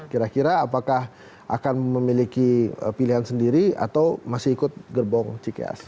kira kira apakah akan memiliki pilihan sendiri atau masih ikut gerbong cikias